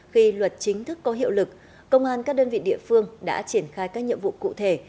khi luật chính thức có hiệu lực công an các đơn vị địa phương đã triển khai các nhiệm vụ cụ thể